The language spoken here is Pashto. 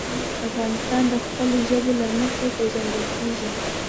افغانستان د خپلو ژبو له مخې پېژندل کېږي.